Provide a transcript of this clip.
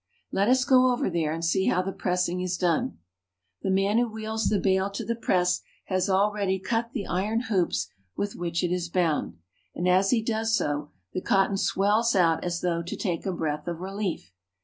Let us go over there, and see how the pressing is done. The man who wheels the bale to the press has already cut the iron hoops with which it is bound, and as he does A SUGAR PLANTATION. I43 SO the cotton swells out as though to take a breath of relief.